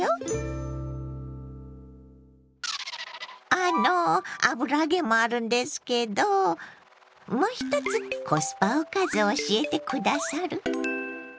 あの油揚げもあるんですけどもう一つコスパおかず教えて下さる？